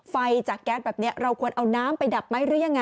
ไฟจากแก๊สแบบนี้เราควรเอาน้ำไปดับไหมหรือยังไง